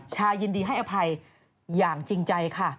ชายินดีให้อภัยอย่างจริงใจค่ะ